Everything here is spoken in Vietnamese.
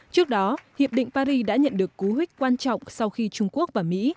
trước đó hiệp định paris đã nhận được cú hích quan trọng sau khi trung quốc và mỹ